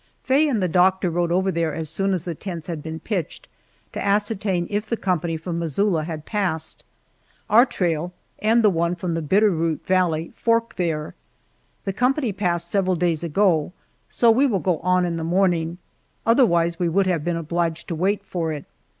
Faye and the doctor rode over there as soon as the tents had been pitched, to ascertain if the company from Missoula had passed. Our trail and the one from the Bitter Root valley fork there. The company passed several days ago, so we will go on in the morning; otherwise we would have been obliged to wait for it.